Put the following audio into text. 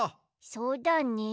そうだね。